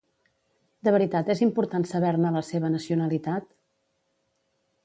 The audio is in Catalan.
De veritat és important saber-ne la seva nacionalitat?